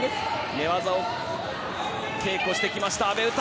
寝技を稽古してきた阿部詩。